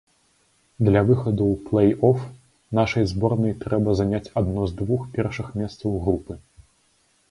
Для выхаду ў плэй-оф нашай зборнай трэба заняць адно з двух першых месцаў групы.